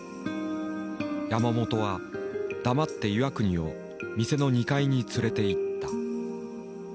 山本は黙って岩國を店の２階に連れていった。